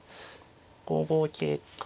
５五桂か